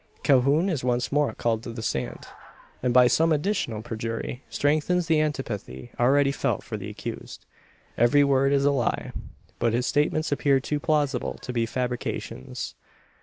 Calhoun is once more called to the stand; and by some additional perjury, strengthens the antipathy already felt for the accused. Every word is a lie; but his statements appear too plausible to be fabrications.